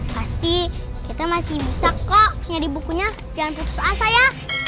pasti kita masih bisa kok nyari bukunya jangan putus asa ya